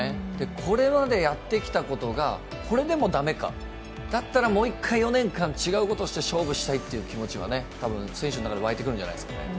これまでやってきたことがこれでも駄目か、だったらもう一回４年間、違うことをして勝負したいっていう気持ちは多分選手の中にわいてくるんじゃないでしょうか。